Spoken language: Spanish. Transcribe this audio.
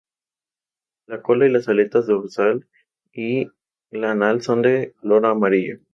La cola y las aletas dorsal y la anal son de color amarillo.